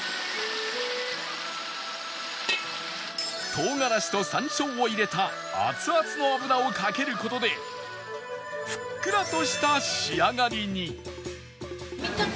唐辛子と山椒を入れた熱々の油をかける事でふっくらとした仕上がりに